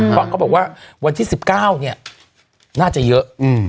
เพราะเขาบอกว่าวันที่๑๙เนี่ยน่าจะเยอะ